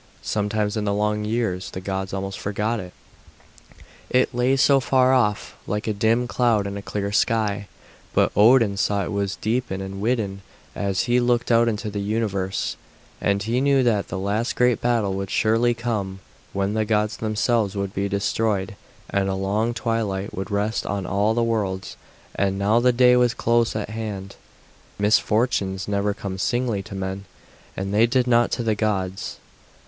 Sometimes in the long years the gods almost forgot it, it lay so far off, like a dim cloud in a clear sky; but Odin saw it deepen and widen as he looked out into the universe, and he knew that the last great battle would surely come, when the gods themselves would be destroyed and a long twilight would rest on all the worlds; and now the day was close at hand. Misfortunes never come singly to men, and they did not to the gods.